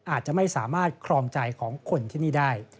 อาจจะไม่สามารถครองใจของคนที่นี่ได้